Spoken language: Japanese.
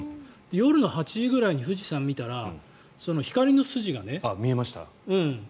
夜の８時ぐらいに富士山を見たら見えました？